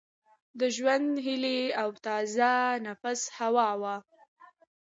د ژوند هیلي او تازه نفس هوا وه